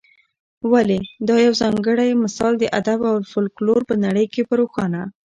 ولي دا یوځانګړی مثال د ادب او فلکلور په نړۍ کي په روښانه